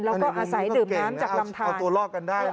แล้วก็อาศัยดื่มน้ำจากลำทานเอาตัวลอกกันได้